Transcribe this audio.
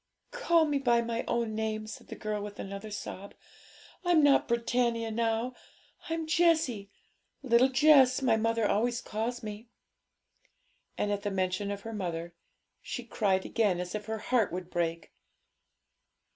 'Call me by my own name,' said the girl, with another sob. 'I'm not Britannia now, I'm Jessie; "Little Jess," my mother always calls me.' And at the mention of her mother she cried again as if her heart would break.